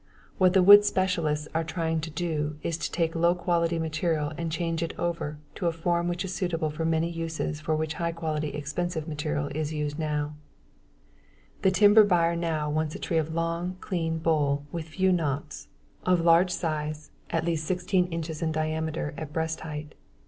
What the wood specialists are trying to do is to take low quality material and change it over to a form which is suitable for many uses for which high quality expensive material is now used. The timber buyer now wants a tree of long, clean, bole with few knots, of large size, at least 16 inches in diameter at breast height.